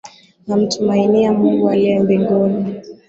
Namtumainia Mungu aliye mbinguni.